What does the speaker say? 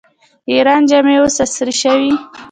د ایران جامې اوس عصري شوي.